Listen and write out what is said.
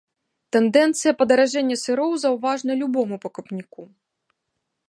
Тэндэнцыя падаражэння сыроў заўважна любому пакупніку.